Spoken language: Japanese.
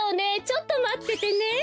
ちょっとまっててね。